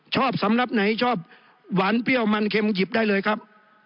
สำหรับไหนชอบหวานเปรี้ยวมันเข็มหยิบได้เลยครับ